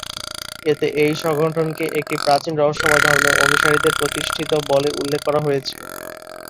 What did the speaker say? এতে এই সংগঠনকে একটি প্রাচীন রহস্যময় ধর্মের অনুসারীদের প্রতিষ্ঠিত বলে উল্লেখ করা হয়েছে।